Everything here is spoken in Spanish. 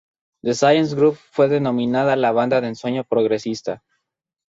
The Science Group fue denominada "la banda de ensueño progresista".